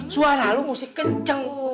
suara lu mesti kenceng